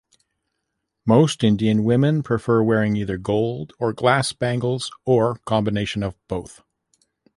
Most Indian women prefer wearing either gold or glass bangles or combination of both.